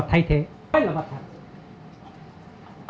vật thay thế là vật thật